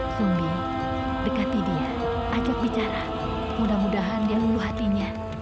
sumi dekati dia ajak bicara mudah mudahan dia luluh hatinya